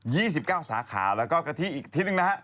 ี่สิบเก้าสาขาแล้วก็กะทิอีกที่หนึ่งนะฮะ